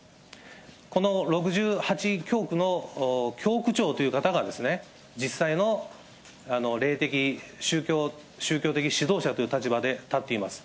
この６８教区の教区長という方が、実際に霊的、宗教的指導者という立場で立っています。